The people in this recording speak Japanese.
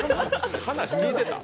話、聞いてた？